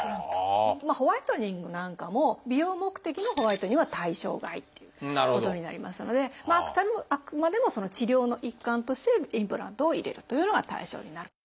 ホワイトニングなんかも美容目的のホワイトニングは対象外っていうことになりますのであくまでも治療の一環としてインプラントを入れるというのが対象になる。